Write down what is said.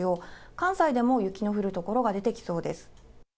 関西でも雪の降る所が出てきそうです。